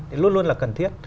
thì luôn luôn là cần thiết